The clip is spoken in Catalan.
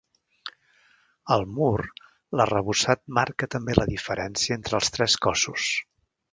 Al mur, l'arrebossat marca també la diferència entre els tres cossos.